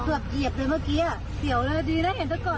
เกือบเหยียบเลยเมื่อกี้อ่ะเสียวเลยดีนะเห็นแต่ก่อน